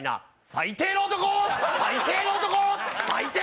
最低の男！